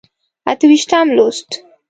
اته ویشتم لوست.